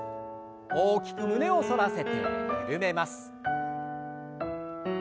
大きく胸を反らせて緩めます。